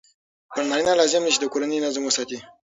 پر نارینه لازم دی چې د کورني نظم وساتي.